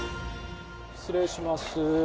失礼します。